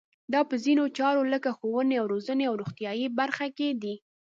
دا په ځینو چارو لکه ښوونې او روزنې او روغتیایي برخه کې دي.